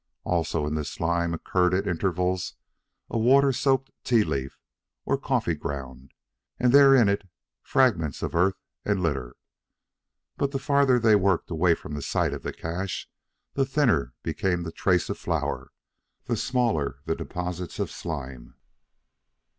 Also, in this slime occurred at intervals a water soaked tea leaf or coffee ground, and there were in it fragments of earth and litter. But the farther they worked away from the site of the cache, the thinner became the trace of flour, the smaller the deposit of slime.